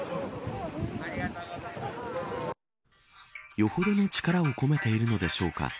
よほどの力を込めているのでしょうか。